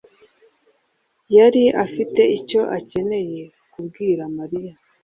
yari afite icyo akeneye kubwira Mariya.